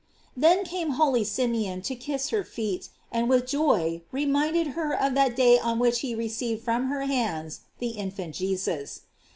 Then came holy Simeon to kiss her feet, and with joy reminded her of that day on which he received from her hands the infant Jesus.